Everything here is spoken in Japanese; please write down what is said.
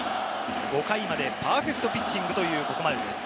５回までパーフェクトピッチングというここまでです。